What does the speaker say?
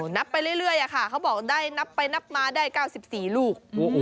นับไปเรื่อยค่ะเขาบอกได้นับไปนับมาได้๙๔ลูก